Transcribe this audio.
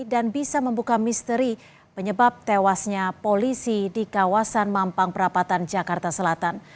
dan bisa membuka misteri penyebab tewasnya polisi di kawasan mampang perapatan jakarta selatan